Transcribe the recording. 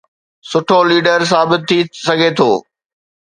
سٺو ليڊر ثابت ٿي سگهي ٿو؟